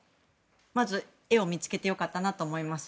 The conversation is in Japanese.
まず、絵を見つけてよかったなと思います。